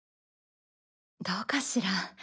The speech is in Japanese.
どうかしら。